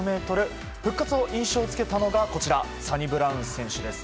復活を印象付けたのがこちら、サニブラウン選手です。